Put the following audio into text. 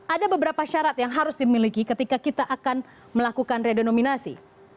ada beberapa syarat yang harus dimiliki ketika kita akan melakukan redenominasi